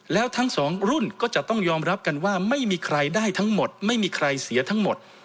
แล้วทั้งสองรุ่นก็จะต้องยอมรับกันว่าไม่มีใครได้ทั้งหมดไม่มีใครเสียทั้งหมด